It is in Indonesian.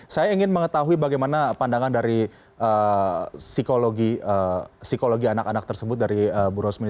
saya ingin mengetahui bagaimana pandangan dari psikologi anak anak tersebut dari bu rosmi